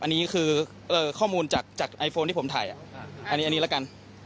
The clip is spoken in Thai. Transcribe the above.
อันนี้คือเอ่อข้อมูลจากจากไอโฟนที่ผมถ่ายอ่ะอันนี้อันนี้ละกัน